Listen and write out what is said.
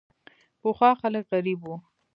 پخوا خلک غریب وو.